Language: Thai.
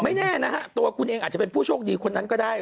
แน่นะฮะตัวคุณเองอาจจะเป็นผู้โชคดีคนนั้นก็ได้